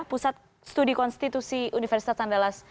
pusat studi konstitusi universitas andalas